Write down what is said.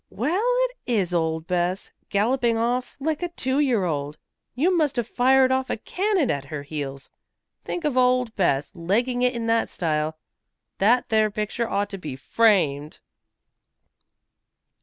"Well, it is old Bess, galloping off like a two year old. You must have fired off a cannon at her heels. Think of old Bess, legging it in that style! That there picture had ought to be framed."